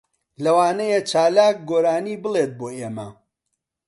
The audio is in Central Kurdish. لەوانەیە چالاک گۆرانی بڵێت بۆ ئێمە.